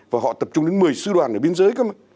và họ tập trung đến một mươi sư đoàn ở biên giới cơ